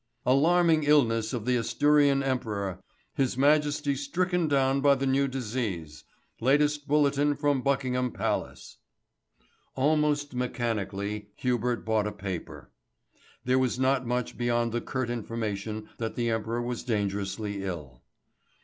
"Alarming illness of the Asturian Emperor. His Majesty stricken down by the new disease. Latest bulletin from Buckingham Palace." Almost mechanically Hubert bought a paper. There was not much beyond the curt information that the Emperor was dangerously ill.